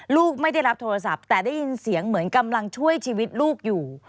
ลูกไม่ได้รับโทรศัพท์แต่ได้ยินเสียงเหมือนกำลังช่วยชีวิตลูกอยู่